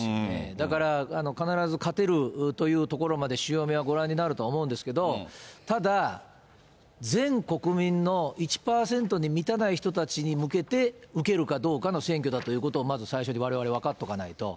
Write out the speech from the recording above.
だから、必ず勝てるというところまで潮目はご覧になるとは思うんですけれども、ただ、全国民の１％に満たない人たちに向けて、受けるかどうかの選挙だということをまず最初にわれわれ分かっておかないと。